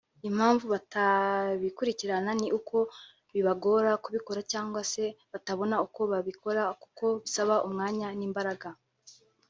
Impamvu batabikurikirana ni uko bibagora kubikora cyangwa se batabona uko babikora kuko bisaba umwanya n’ imbaraga